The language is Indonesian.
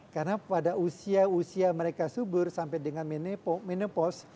karena pada usia usia mereka subur sampai dengan menopaus